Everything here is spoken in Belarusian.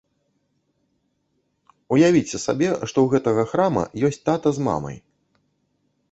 Уявіце сабе, што ў гэтага храма ёсць тата з мамай.